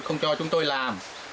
không cho chúng tôi làm